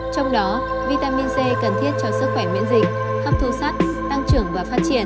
trong đó vitamin c cần thiết cho sức khỏe miễn dịch hấp thu sắt tăng trưởng và phát triển